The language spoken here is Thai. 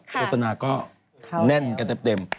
โฆษณาก็แน่นกันเต็ม